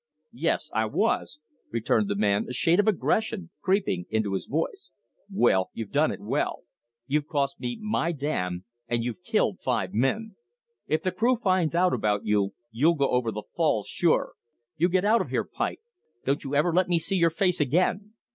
"Yes, I was," returned the man, a shade of aggression creeping into his voice. "Well, you've done it well. You've cost me my dam, and you've killed five men. If the crew finds out about you, you'll go over the falls, sure. You get out of here! Pike! Don't you ever let me see your face again!"